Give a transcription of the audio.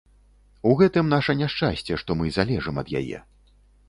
У гэтым наша няшчасце, што мы залежым ад яе.